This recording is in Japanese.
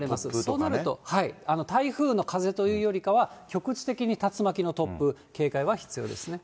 となると、台風の風というよりかは、局地的に竜巻の突風、警戒は必要ですね。